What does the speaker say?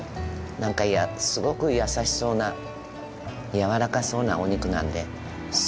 なんかすごく優しそうな柔らかそうなお肉なんです